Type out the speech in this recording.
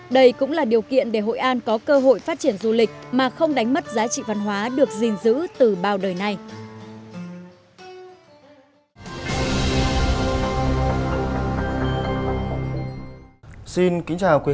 đây cũng là điều kiện để hội an có cơ hội phát triển du lịch mà không đánh mất giá trị văn hóa được gìn giữ từ bao đời nay